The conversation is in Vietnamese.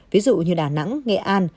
ví dụ như đà nẵng nghệ an